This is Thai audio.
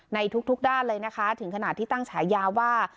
ในทุกด้านเลยนะคะถึงขนาดที่ตั้งฉายาว่า